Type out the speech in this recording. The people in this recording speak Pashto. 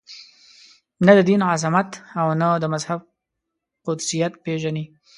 نه د دین عظمت او نه د مذهب قدسیت پېژني.